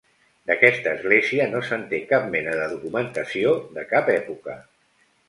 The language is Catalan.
D'aquesta església, no se'n té cap mena de documentació, de cap època.